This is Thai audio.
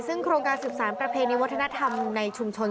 ซึ่งโครงการสืบสารประเพณีวัฒนธรรมในชุมชน